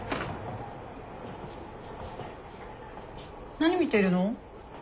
何見てるの？